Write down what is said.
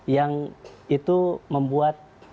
yang itu membuat